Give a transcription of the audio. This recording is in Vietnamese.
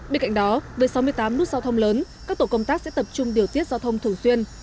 bên cạnh đó với sáu mươi tám nút giao thông lớn các tổ công tác sẽ tập trung điều tiết giao thông thường xuyên